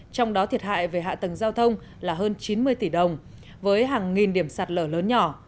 trong đó thiệt hại về hạ tầng giao thông là hơn chín mươi tỷ đồng với hàng nghìn điểm sạt lở lớn nhỏ